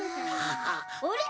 あれ？